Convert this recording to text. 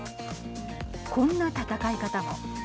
こんな戦い方も。